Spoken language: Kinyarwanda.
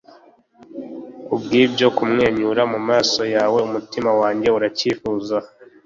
kubwibyo kumwenyura mumaso yawe umutima wanjye uracyifuza